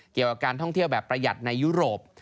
เกี่ยวกับการท่องเที่ยวแบบประหยัดในยุโรป